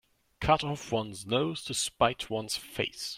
Cut off one's nose to spite one's face.